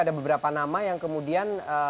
ada beberapa nama yang kemudian